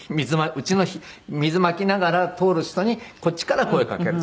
うちの水まきながら通る人にこっちから声をかける。